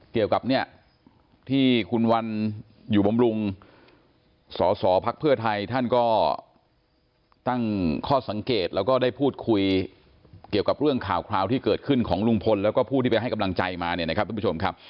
เกี่ยวกับเนี่ยที่คุณวันอยู่บำรุงสอสอภักดิ์เพื่อไทยท่านก็ตั้งข้อสังเกตแล้วก็ได้พูดคุยเกี่ยวกับเรื่องข่าวคราวที่เกิดขึ้นของลุงพลแล้วก็ผู้ที่ไปให้กำลังใจมาเนี่ยนะครับทุกผู้ชมครับ